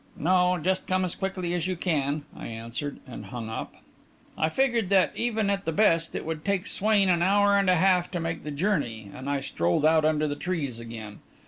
"No; just come as quickly as you can," I answered, and hung up. I figured that, even at the best, it would take Swain an hour and a half to make the journey, and I strolled out under the trees again.